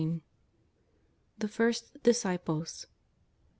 THE FIRST DISCIPLES.